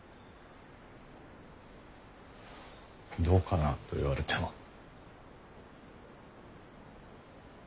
「どうかな？」と言われても。